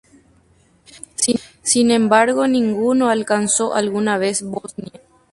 Sin embargo ninguno alcanzó alguna vez Bosnia.